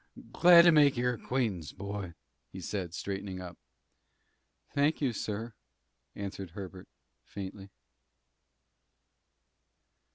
Glad to make your acquaintance, boy," he said, straightening up. "Thank you, sir," answered Herbert, faintly.